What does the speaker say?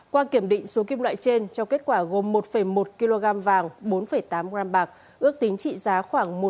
qua kiểm định số kim loại trên cho kết quả gồm một một kg vàng bốn tám gram bạc ước tính trị giá khoảng một hai tỷ đồng